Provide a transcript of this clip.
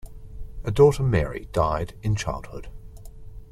A daughter Mary died in childhood.